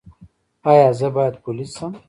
ایا زه باید پولیس شم؟